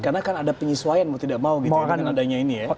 karena kan ada penyesuaian mau tidak mau gitu ya dengan adanya ini ya